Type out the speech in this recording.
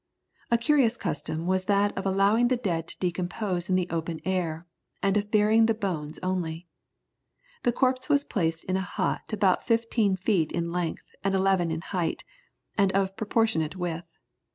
A curious custom was that of allowing the dead to decompose in the open air, and of burying the bones only. The corpse was placed in a hut about fifteen feet in length, and eleven in height, and of proportionate width.